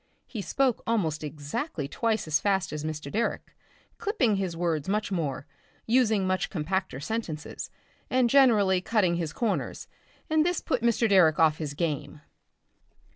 He spoke almost exactly twice as fast as Mr. Direck, clipping his words much more, using much compacter sentences, and generally cutting his corners, and this put Mr. Direck off his game.